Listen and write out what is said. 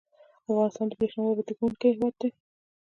افغانستان د بریښنا واردونکی هیواد دی